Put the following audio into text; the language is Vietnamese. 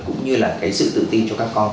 cũng như là cái sự tự tin cho các con